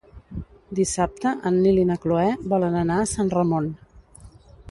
Dissabte en Nil i na Cloè volen anar a Sant Ramon.